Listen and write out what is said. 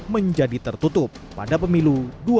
menjadi tertutup pada pemilu dua ribu dua puluh empat